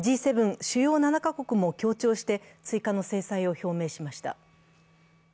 Ｇ７＝主要７か国も協調して追加の制裁を表明しました。